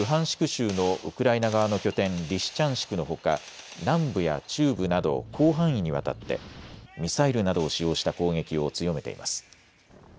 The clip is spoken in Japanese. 州のウクライナ側の拠点リシチャンシクのほか南部や中部など広範囲にわたってミサイルなどを使用した攻撃を強めています。